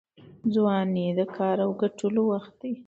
ځواني د کار او ګټلو وخت دی.